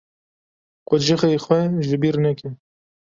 Qucixê xwe ji bîr neke.